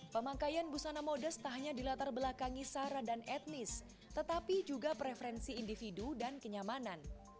pemakaian busana modus tak hanya di latar belakang isara dan etnis tetapi juga preferensi individu dan kenyamanan